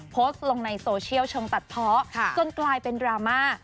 โพสต์ลงในโซเชียลชงตัดเพาะจนกลายเป็นดราม่า